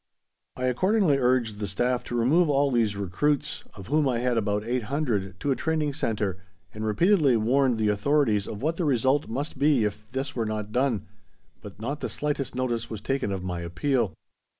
I accordingly urged the Staff to remove all these recruits, of whom I had about 800, to a training centre, and repeatedly warned the authorities of what the result must be if this were not done, but not the slightest notice was taken of my appeal.